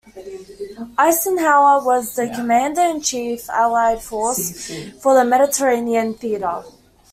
Eisenhower was the Commander-in-Chief, Allied Force for the Mediterranean theatre.